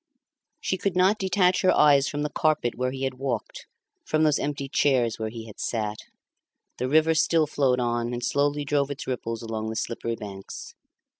She could not detach her eyes from the carpet where he had walked, from those empty chairs where he had sat. The river still flowed on, and slowly drove its ripples along the slippery banks.